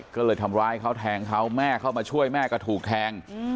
ก็เลยทำร้ายเขาแทงเขาแม่เข้ามาช่วยแม่ก็ถูกแทง